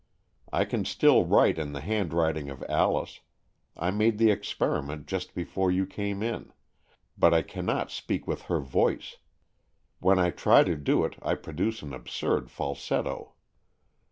I can still write in the handwriting of Alice — I made the experiment just before you came in — but I cannot speak with her voice. When I try to do it, I produce an absurd falsetto.